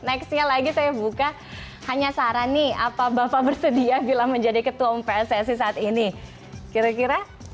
nextnya lagi saya buka hanya saran nih apa bapak bersedia bila menjadi ketua pssi saat ini kira kira